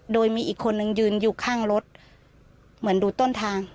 โดยมีอีกคนนึงยืนอยู่ข้างรถเหมือนดูต้นทาง